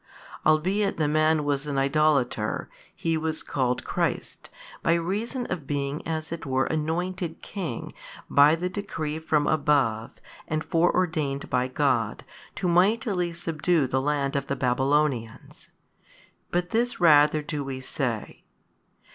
Albeit the man was an idolater, he was called christ, by reason of being as it were anointed king by the decree from above and fore ordained by God to mightily |186 subdue the land of the Babylonians: but this rather do we say 2.